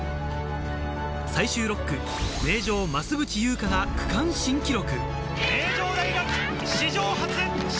最終６区、名城・増渕祐香が区間新記録。